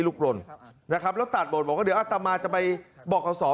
ลูกล้นครับอีกแล้วตัดบทเหมือนก็เดี๋ยวอตมาว์จะไปบอกเอาศอม